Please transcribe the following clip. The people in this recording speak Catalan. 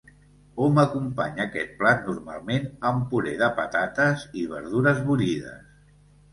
Hom acompanya aquest plat normalment amb puré de patates i verdures bullides.